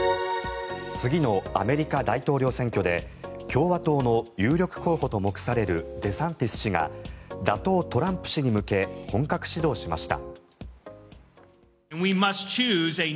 次のアメリカ大統領選挙で共和党の有力候補と目されるデサンティス氏が打倒トランプ氏に向け本格始動しました。